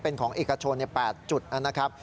เป็นของเอกชน๘จุดนะครับ